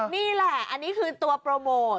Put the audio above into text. นี่แหละอันนี้คือตัวโปรโมท